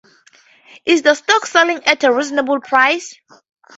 Is the stock selling at a reasonable price?